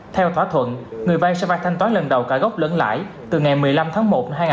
theo thỏa thuận người vay sẽ vay thanh toán lần đầu cả gốc lẫn lãi từ ngày một mươi năm tháng một hai nghìn hai mươi ba